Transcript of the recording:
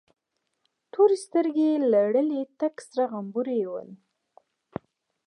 تورې سترگې يې لرلې، تک سره غمبوري یې ول.